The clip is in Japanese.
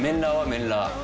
メンラー。